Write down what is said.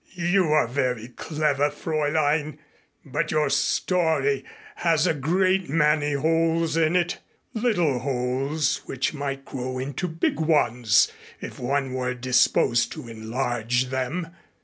"You are very clever, Fräulein, but your story has a great many holes in it little holes which might grow into big ones, if one were disposed to enlarge them.